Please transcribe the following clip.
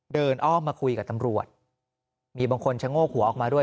อ้อมมาคุยกับตำรวจมีบางคนชะโงกหัวออกมาด้วย